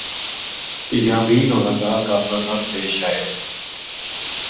یامین ہوراں کا قافلہ نال پیش آیو